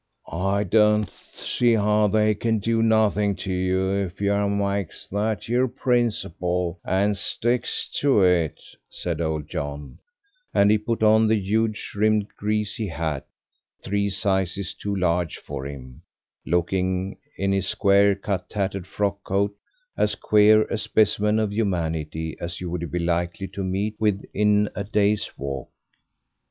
"I don't see how they can do nothing to you if yer makes that yer principle and sticks to it," said old John, and he put on the huge rimmed, greasy hat, three sizes too large for him, looking in his square cut tattered frock coat as queer a specimen of humanity as you would be likely to meet with in a day's walk.